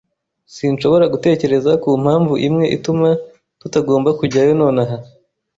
Sinshobora gutekereza kumpamvu imwe ituma tutagomba kujyayo nonaha.